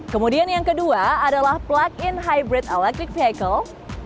kemudian yang kedua adalah plug in hybrid electric vehicle